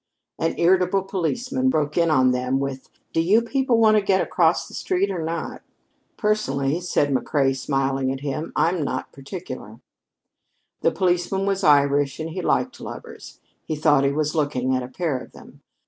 An irritable policeman broke in on them with: "Do you people want to get across the street or not?" "Personally," said McCrea, smiling at him, "I'm not particular." The policeman was Irish and he liked lovers. He thought he was looking at a pair of them.